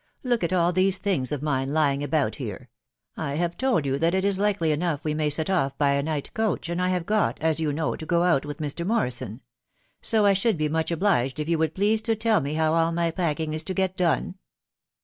.•. Look at all these things of mine lying about here !.... I have told you that it is likely enough we may set off by a night coach, and I have got, as you know, to go out with Mr. Morrison ; so I should be much obliged if you would please to tell me how all my packing is to get done